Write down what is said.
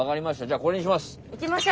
じゃあこれにします。